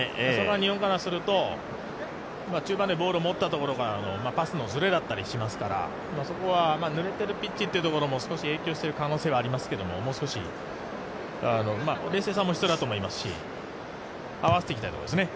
日本からすると、中盤でボールを持ったところからのパスのずれだったりしますからぬれてるピッチというのも少し影響している可能性がありますけどもう少し、冷静さも必要だと思いますし、合わせていきたいと思いますね。